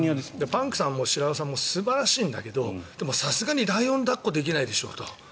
パンクさんも白輪さんも素晴らしいんだけどさすがにライオン抱っこできないでしょと。